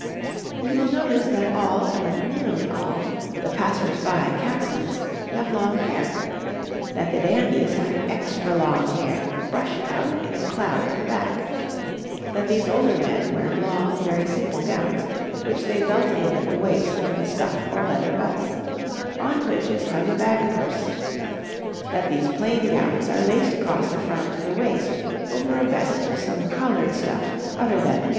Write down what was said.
You will notice that all, or nearly all, the passers by Caxton's have long hair; that the dandies have extra long hair brushed out in a cloud at the back; that the older men wear long, very simple gowns, which they belt in at the waist with a stuff or leather belt, on which is hung a bag purse; that these plain gowns are laced across the front to the waist over a vest of some coloured stuff other than the gown.